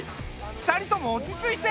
２人とも落ち着いて。